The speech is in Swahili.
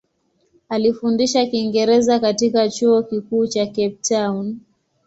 Alifundisha Kiingereza katika Chuo Kikuu cha Cape Town.